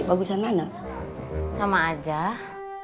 di harapan di harapan sama sumpah